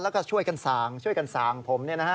แล้วก็ช่วยกันสางช่วยกันสางผมนี่นะฮะ